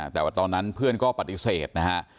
แต่ว่าตอนนั้นเพื่อนก็ปฏิเสธนะฮะ